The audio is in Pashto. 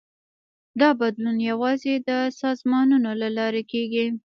دا بدلون یوازې د سازمانونو له لارې کېږي.